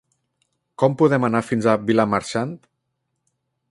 Com podem anar fins a Vilamarxant?